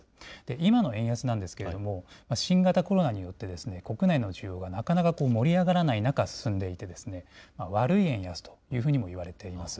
今の円安なんですけれども、新型コロナによって国内の需要がなかなか盛り上がらない中進んでいて、悪い円安というふうにもいわれています。